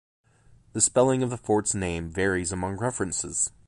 The spelling of the fort's name varies among references.